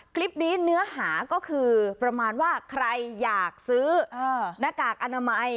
เนื้อหาก็คือประมาณว่าใครอยากซื้อหน้ากากอนามัย